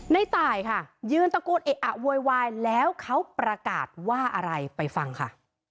ในตายค่ะยืนตะโกนเอะอะโวยวายแล้วเขาประกาศว่าอะไรไปฟังค่ะ